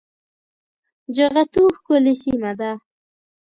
جغتو ښکلې سيمه ده